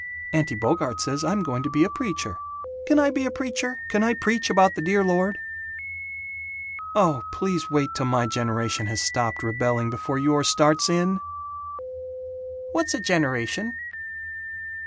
Auntie Bogart says I'm going to be a preacher. Can I be a preacher? Can I preach about the Dear Lord?" "Oh, please wait till my generation has stopped rebelling before yours starts in!" "What's a generation?"